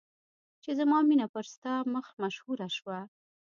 چې زما مینه پر ستا مخ مشهوره شوه.